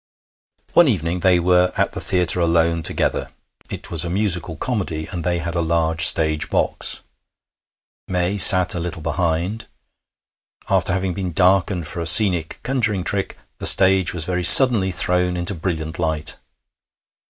One evening they were at the theatre alone together. It was a musical comedy, and they had a large stage box. May sat a little behind. After having been darkened for a scenic conjuring trick, the stage was very suddenly thrown into brilliant light.